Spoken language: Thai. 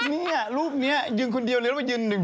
นี่ลูบนี้ยืนคนเดียวรู้ไม่ใช่รูป